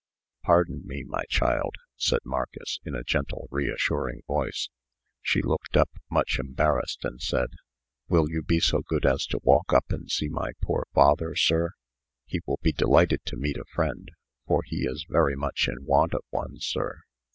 "Pardon me, my child," said Marcus, in a gentle, reassuring voice. She looked up, much embarrassed, and said: "Will you be so good as to walk up and see my poor father, sir? He will be delighted to meet a friend, for he is very much in want of one, sir."